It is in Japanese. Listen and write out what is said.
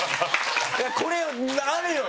これあるよね？